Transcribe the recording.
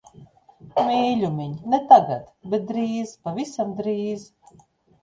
Mīļumiņ, ne tagad. Bet drīz, pavisam drīz.